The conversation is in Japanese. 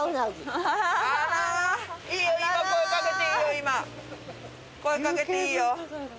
声かけていいよ。